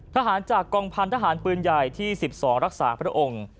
ทหารจากกองพันธหารปืนใหญ่ที่๑๒รักษาพระองค์